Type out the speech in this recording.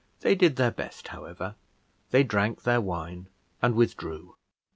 They did their best, however; they drank their wine, and withdrew.